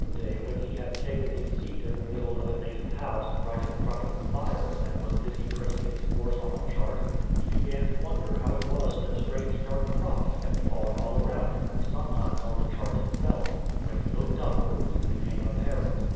A GHASTLY PARCEL when he had taken his seat in the middle of a native house, right in front of the fire, and was busy tracing his course on a chart, he began to wonder how it was that strange dark drops kept falling all around him and some times on the chart itself. When he looked up the reason became apparent.